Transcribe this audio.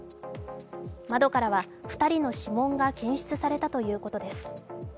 窓からは２人の指紋が検出されたということです。